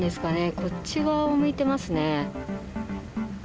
こっち側を向いてますね。